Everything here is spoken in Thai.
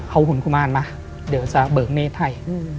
เอาหุ่นกุมารมาเดี๋ยวจะเบิกเนธให้